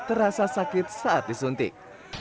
terasa sakit saat disuntik